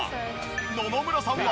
野々村さんは。